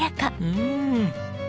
うん！